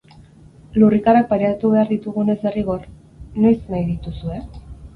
Lurrikarak pairatu behar ditugunez derrigor, noiz nahi dituzue?